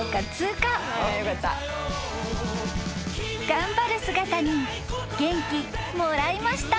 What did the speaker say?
［頑張る姿に元気もらいました］